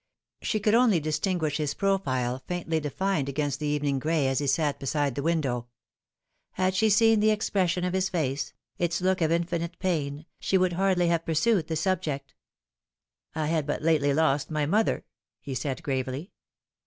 She could only distinguish his profile faintly defined against the evening gray as he sat beside the window. Had she seea The Fate m the Chwch. 76 the expression of his face, its look of infinite pain, she would hardly have pursued the subject. " I had but lately lost my mother," he said gravely.